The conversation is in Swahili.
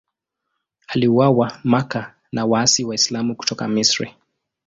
Aliuawa Makka na waasi Waislamu kutoka Misri.